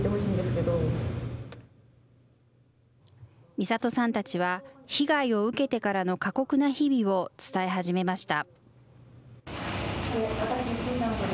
みさとさんたちは、被害を受けてからの過酷な日々を伝え始めました。